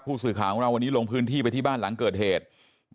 ผู้สื่อข่าวของเราวันนี้ลงพื้นที่ไปที่บ้านหลังเกิดเหตุ